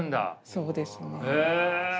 そうですね。